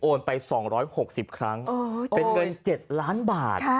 ไป๒๖๐ครั้งเป็นเงิน๗ล้านบาท